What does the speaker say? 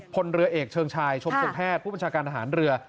พลเรือเอกเชิงชายชมเชิงแพทย์ผู้บัญชาการทหารเรือ